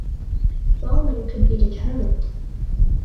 Bowman could be determined.